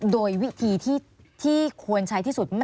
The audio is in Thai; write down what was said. โดยวิธีที่ควรใช้ที่สุด